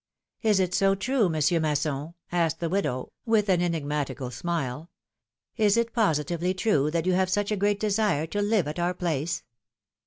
^^Is it so true. Monsieur Masson," asked the widow, with an enigmatical smile, is it positively true, that you have such a great desire to live at our place?"